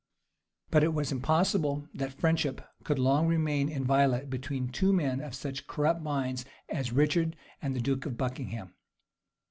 But it was impossible that friendship could long remain inviolate between two men of such corrupt minds as Richard and the duke of Buckingham.